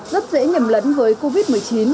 rất dễ nhầm lẫn với covid một mươi chín